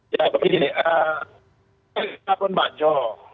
ya begini labuan bajo